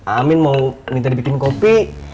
amin mau minta dibikin kopi